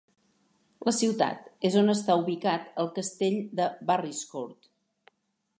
La ciutat és on està ubicat el castell de Barryscourt.